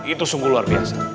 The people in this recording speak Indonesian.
itu sungguh luar biasa